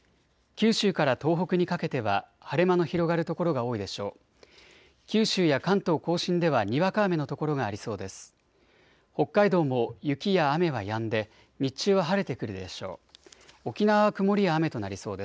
九州から東北にかけては晴れ間の広がる所が多いでしょう。